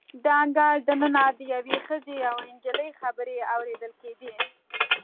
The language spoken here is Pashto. د انګړ د ننه د یوې ښځې او نجلۍ خبرې اوریدل کیدې.